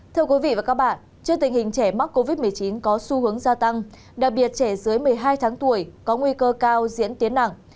trên tình hình trẻ mắc covid một mươi chín có xu hướng gia tăng đặc biệt trẻ dưới một mươi hai tháng tuổi có nguy cơ cao diễn tiến nặng